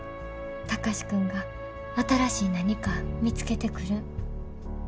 貴司君が新しい何か見つけてくるん楽しみや。